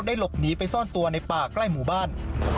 หลบหนีไปซ่อนตัวในป่าใกล้หมู่บ้าน